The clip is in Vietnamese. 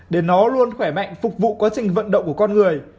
để nó luôn khỏe mạnh phục vụ quá trình vận động của con người